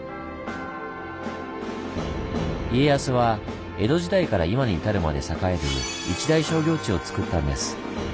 家康は江戸時代から今に至るまで栄える一大商業地をつくったんです。